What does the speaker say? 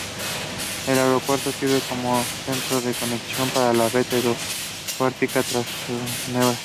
Es aeropuerto sirve como centro de conexión para la red aeroportuaria transeuropea.